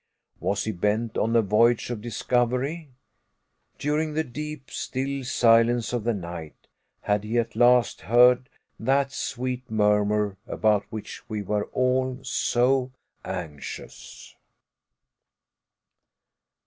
Was he bent on a voyage of discovery? During the deep, still silence of the night had he at last heard that sweet murmur about which we were all so anxious?